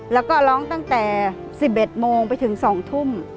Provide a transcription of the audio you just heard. แล้วก็ร้องตั้งแต่๑๑โมงไปถึง๒ทุ่ม